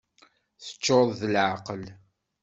Teččureḍ d leεqel!